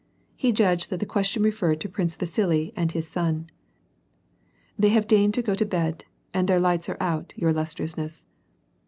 He judged that the question referred to Prince Vasili and his son. "They have deigned to go to bed, and their lights are out, your illustriousness."